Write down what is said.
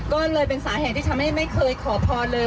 ก็เลยเป็นสาเหตุที่ทำให้ไม่เคยขอพรเลย